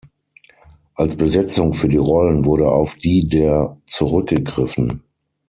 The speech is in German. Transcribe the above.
Als Besetzung für die Rollen wurde auf die der zurückgegriffen.